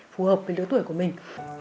phù hợp với lứa tuổi của mình